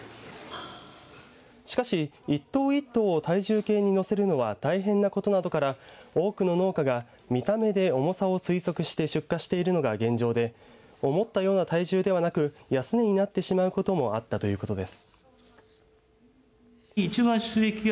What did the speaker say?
しかし、１頭１頭を体重計に載せるのは大変なことなどから多くの農家が見た目で重さを推測して出荷しているのが現状で思ったような体重ではなく安値になってしまうこともあったということです。